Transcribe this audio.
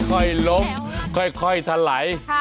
ค่อยลงค่อยเถลาย